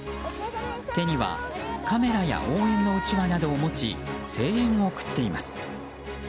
手にはカメラや応援のうちわなどを持ち声援を送っています。